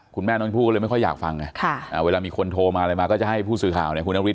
คุณแม่น้องชมพู่ก็เลยไม่ค่อยอยากฟังไงเวลามีคนโทรมาอะไรมาก็จะให้ผู้สื่อข่าวเนี่ยคุณนฤท